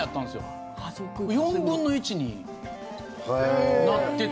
４分の１になってた。